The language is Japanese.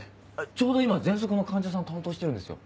ちょうど今喘息の患者さん担当してるんですよ。